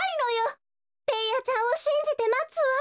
ベーヤちゃんをしんじてまつわ。